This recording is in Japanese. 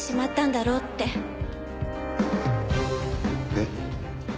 えっ？